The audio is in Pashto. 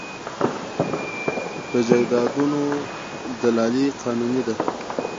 د جایدادونو دلالي قانوني ده؟